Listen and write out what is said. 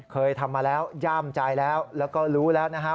เคยทำมาแล้วย่ามใจแล้วแล้วก็รู้แล้วนะฮะ